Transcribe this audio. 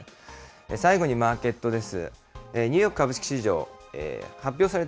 最後にマーケットです。